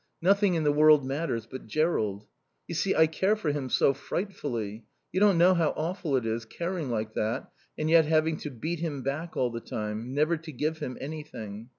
Nothing in the world matters but Jerrold. You see I care for him so frightfully.... You don't know how awful it is, caring like that, and yet having to beat him back all the time, never to give him anything.